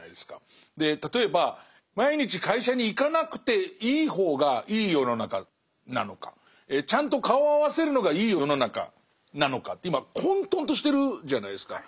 例えば毎日会社に行かなくていい方がいい世の中なのかちゃんと顔を合わせるのがいい世の中なのかって今混沌としてるじゃないですか。